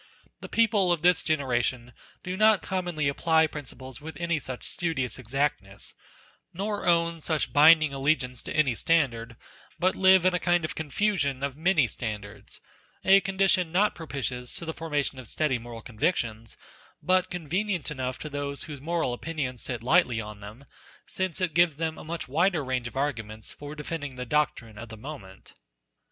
The people of this genera tion do not commonly apply principles with any such studious exactness, nor own such binding allegiance to any standard, but live in a kind of confusion of many standards ; a condition not propitious to the formation of steady moral convictions, but convenient enough to those whose moral opinions sit lightly on them, since it gives them a much wider range of arguments for defending the doctrine of the moment.